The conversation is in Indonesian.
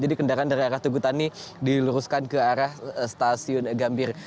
jadi kendaraan dari arah teguh tani diluruskan ke arah stasiun gambir